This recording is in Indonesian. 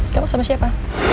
kamu sama siapa